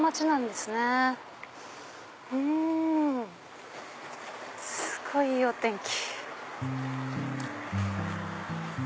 すごいいいお天気。